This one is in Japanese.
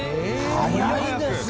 早いですね。